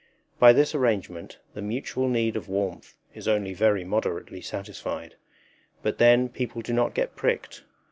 By this arrangement the mutual need of warmth is only very moderately satisfied; but then people do not get pricked.